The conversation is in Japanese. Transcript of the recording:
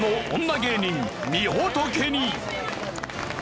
芸人みほとけに。